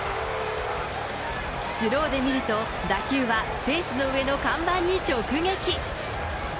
スローで見ると、打球はフェンスの上の看板に直撃。